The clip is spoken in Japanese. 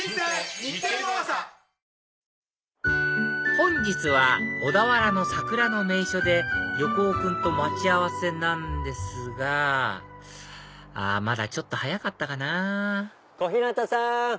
本日は小田原の桜の名所で横尾君と待ち合わせなんですがあまだちょっと早かったかな小日向さん